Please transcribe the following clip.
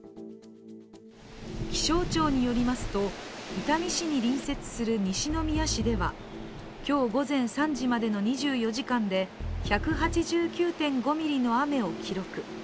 気象庁によりますと、伊丹市に隣接する西宮市では今日午前３時までの２４時間で１８９．５ミリの雨を記録。